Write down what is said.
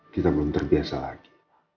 kita belum terbiasa lagi